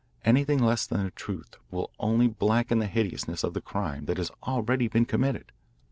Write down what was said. Anything less than the truth will only blacken the hideousness of the crime that has already been committed."